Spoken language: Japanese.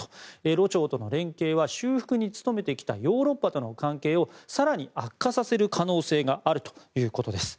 ロ朝との連携は修復に努めてきたヨーロッパとの関係を更に悪化させる可能性があるということです。